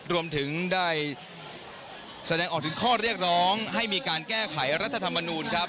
รวมถึงได้แสดงออกถึงข้อเรียกร้องให้มีการแก้ไขรัฐธรรมนูลครับ